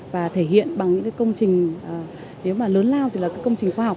và thể hiện bằng những cái công trình nếu mà lớn lao thì là cái công trình khoa học